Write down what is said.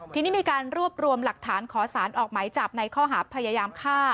ทีนี้มีการรวบรวมหลักฐานขอสารออกหมายจับในข้อหาพยายามฆ่า